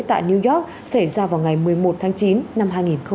tại new york xảy ra vào ngày một mươi một tháng chín năm hai nghìn một